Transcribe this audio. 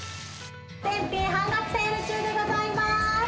全品半額セール中でございます。